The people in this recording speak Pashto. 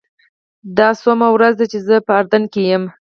دا څوومه ورځ ده چې زه په اردن کې یم.